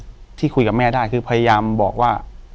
อยู่ที่แม่ศรีวิรัยิลครับ